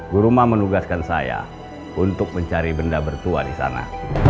buruma menugaskan saya untuk mencari benda bertuah di sana